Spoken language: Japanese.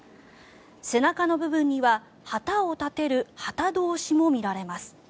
背中の部分には旗を立てる旗通しも見られます。